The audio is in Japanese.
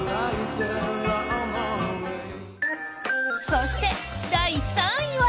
そして、第３位は。